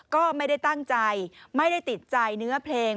ก็ไม่ได้ตั้งใจไม่ได้ติดใจเนื้อเพลง